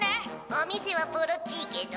「お店はボロっちいけど」。